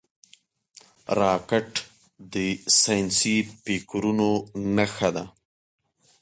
راکټ د ساینسي فکرونو نښه ده